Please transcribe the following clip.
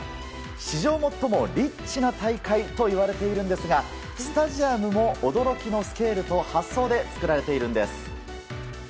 史上最もリッチな大会といわれているんですがスタジアムも驚きのスケールと発想で造られているんです。